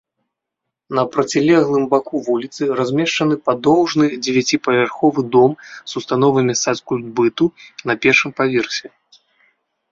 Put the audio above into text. На процілеглым баку вуліцы размешчаны падоўжны дзевяціпавярховы дом з установамі сацкультбыту на першым паверсе.